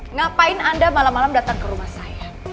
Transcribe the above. ngapain anda malam malam datang ke rumah saya